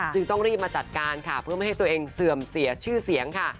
ต้องรีบมาจัดการค่ะเพื่อไม่ให้ตัวเองเสื่อมเสียชื่อเสียงค่ะ